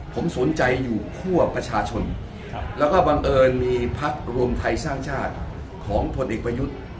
ผมสนใจอยู่คั่วประชาชนแล้วก็บังเอิญมีพักรวมไทยสร้างชาติของผลเอกประยุทธ์